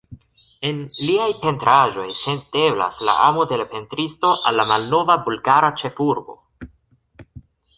En liaj pentraĵoj senteblas la amo de la pentristo al la malnova bulgara ĉefurbo.